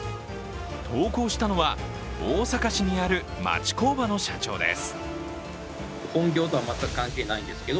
投稿したのは、大阪市にある町工場の社長です。